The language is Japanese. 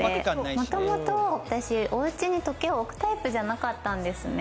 もともと、おうちに時計をおくタイプじゃなかったんですね。